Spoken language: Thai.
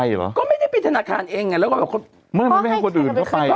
ยังจริงก็เปล่า